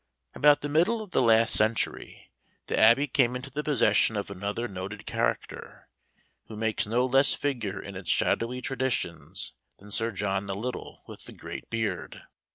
About the middle of the last century, the Abbey came into the possession of another noted character, who makes no less figure in its shadowy traditions than Sir John the Little with the great Beard.